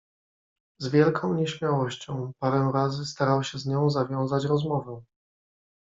"Z wielką nieśmiałością parę razy starał się z nią zawiązać rozmowę."